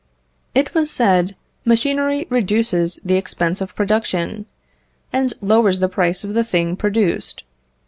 It was said, machinery reduces the expense of production, and lowers the price of the thing produced.